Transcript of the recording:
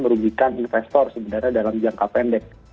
merugikan investor sebenarnya dalam jangka pendek